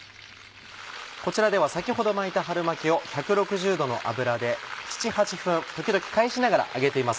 こちらでは先ほど巻いた春巻きを１６０℃の油で７８分時々返しながら揚げています。